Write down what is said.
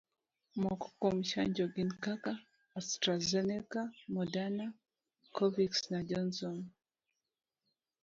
Moko kuom chanjo gin kaka: Astrazeneca, Moderna, Covix na Johnson.